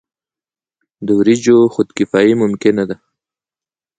د وریجو خودکفايي ممکنه ده.